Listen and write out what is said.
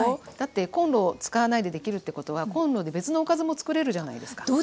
だってこんろを使わないでできるってことはこんろで別のおかずも作れるじゃないですか。